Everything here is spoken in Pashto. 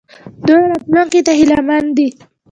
دوی راتلونکي ته هیله مند دي.